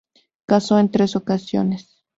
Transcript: Casó en tres ocasiones.